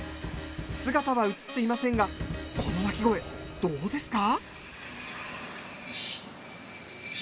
姿は映っていませんがこの鳴き声どうですか？